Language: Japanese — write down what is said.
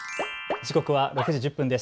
時刻は６時１０分です。